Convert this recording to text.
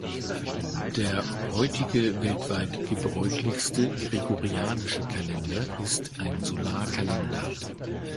Der heutige weltweit gebräuchlichste Gregorianische Kalender ist ein Solarkalender.